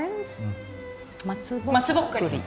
松ぼっくり。